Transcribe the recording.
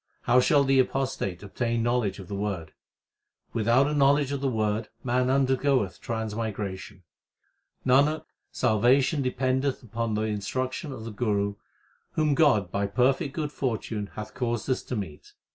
How shall the apostate obtain knowledge of the Word ? Without a knowledge of the Word man undergoeth transmigration. Nanak, salvation dependeth upon the instruction of the Guru whom God by perfect good fortune hath caused us to meet.